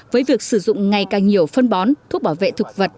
với việc sử dụng ngày càng nhiều phân bón thuốc bảo vệ thực vật